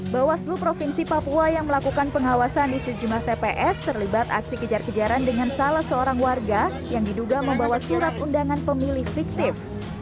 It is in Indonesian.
bawaslu provinsi papua yang melakukan pengawasan di sejumlah tps terlibat aksi kejar kejaran dengan salah seorang warga yang diduga membawa surat undangan pemilih fiktif